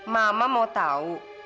mama mau tau